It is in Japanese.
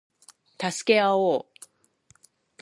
助け合おう